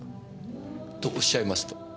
とおっしゃいますと？